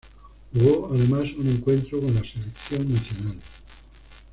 Jugó, además, un encuentro con la Selección nacional.